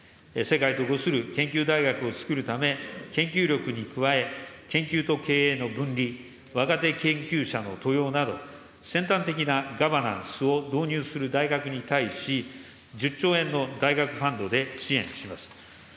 世界とごする研究大学をつくるため、研究力に加え、研究と経営の分離、若手研究者の登用など、先端的なガバナンスを導入する大学に対し、１０兆円の大学ファンドで支援します。